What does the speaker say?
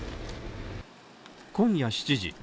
今夜７時。